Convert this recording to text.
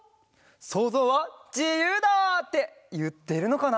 「そうぞうはじゆうだ！」っていってるのかな？